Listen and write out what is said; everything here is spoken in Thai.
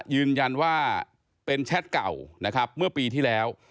ยืนยันว่าเป็นแชทเก่านะครับเมื่อปีที่แล้ว